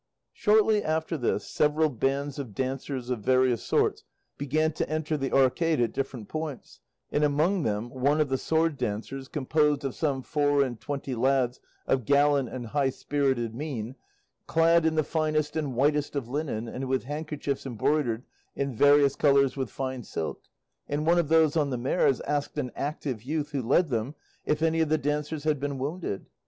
Shortly after this, several bands of dancers of various sorts began to enter the arcade at different points, and among them one of sword dancers composed of some four and twenty lads of gallant and high spirited mien, clad in the finest and whitest of linen, and with handkerchiefs embroidered in various colours with fine silk; and one of those on the mares asked an active youth who led them if any of the dancers had been wounded.